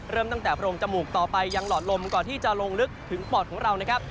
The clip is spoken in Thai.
เริ่มตั้งแต่โรงจมูกต่อไปยังหลอดลมก่อนที่จะลงลึกถึงปอดของเรานะครับ